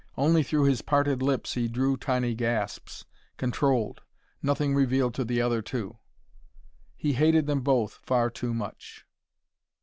Only through his parted lips he drew tiny gasps, controlled, nothing revealed to the other two. He hated them both far too much.